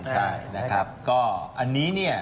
ใช่นะครับก็อันนี้เนี่ย